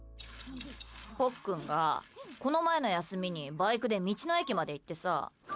ポッ君が、この前の休みにバイクで道の駅まで行ってさ。